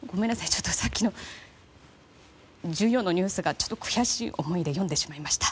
ちょっと、さっきのニュースを悔しい思いで読んでしまいました。